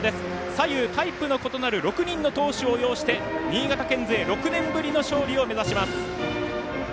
左右タイプの異なる６人の投手を擁して新潟県勢６年ぶりの勝利を目指します。